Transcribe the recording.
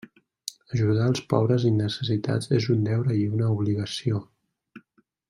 Ajudar els pobres i necessitats és un deure i una obligació.